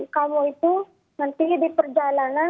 kamu itu nanti diperjalanin